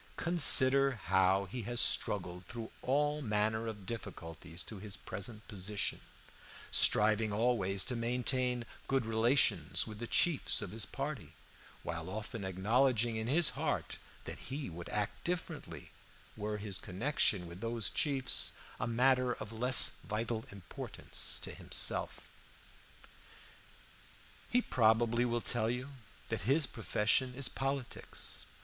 Consider how he has struggled through all manner of difficulties to his present position, striving always to maintain good relations with the chiefs of his party, while often acknowledging in his heart that he would act differently were his connection with those chiefs a matter of less vital importance to himself. He probably will tell you that his profession is politics.